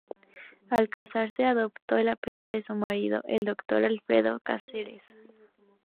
Al casarse adoptó el apellido de su marido, el Dr. Alfredo Cáceres.